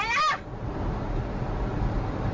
ช่วยดูเว้ย